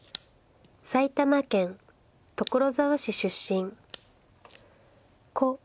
埼玉県所沢市出身故